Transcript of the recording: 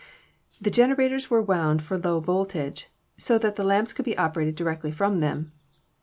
The generators were wound for low volt age so that the lamps could be operated directly from them.